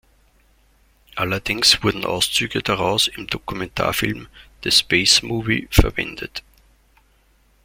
Allerdings wurden Auszüge daraus im Dokumentarfilm "The Space Movie" verwendet.